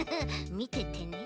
みててね。